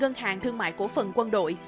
ngân hàng thương mại của phần quân đội